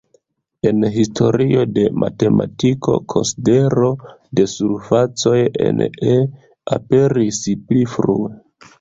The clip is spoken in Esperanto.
En historio de matematiko konsidero de surfacoj en E" aperis pli frue.